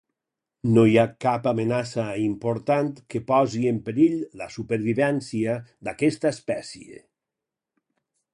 No hi ha cap amenaça important que posi en perill la supervivència d'aquesta espècie.